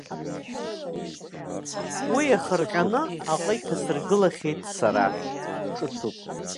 Уи иахырҟьаны аҟы иҭасыргылахьеит сара.